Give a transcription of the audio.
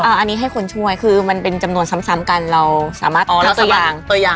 อันนี้ให้คนช่วยคือมันเป็นจำนวนซ้ำกันเราสามารถทำตัวอย่าง